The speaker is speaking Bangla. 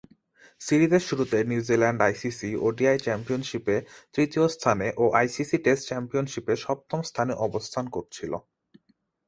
সিরিজের শুরুতে নিউজিল্যান্ড আইসিসি ওডিআই চ্যাম্পিয়নশীপে তৃতীয় স্থানে ও আইসিসি টেস্ট চ্যাম্পিয়নশীপে সপ্তম স্থানে অবস্থান করছিল।